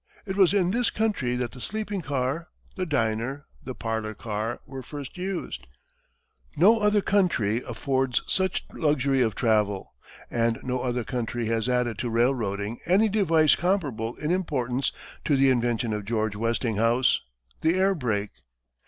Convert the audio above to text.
It was in this country that the sleeping car, the diner, the parlor car were first used; no other country affords such luxury of travel; and no other country has added to railroading any device comparable in importance to the invention of George Westinghouse, the air brake.